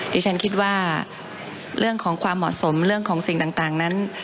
ดิฉันคิดว่าเรื่องของความเหมาะสมเรื่องของสิ่งต่างนั้น